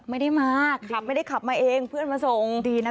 ไม่ได้มาขับไม่ได้ขับมาเองเพื่อนมาส่งดีนะ